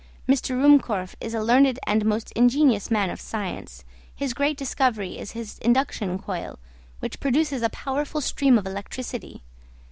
M. Ruhmkorff is a learned and most ingenious man of science; his great discovery is his induction coil, which produces a powerful stream of electricity.